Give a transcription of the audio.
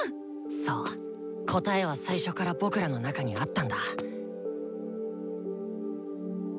そう答えは最初から僕らの中にあったんだ。